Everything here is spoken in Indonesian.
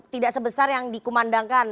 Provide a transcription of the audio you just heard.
tidak sebesar yang dikumandangkan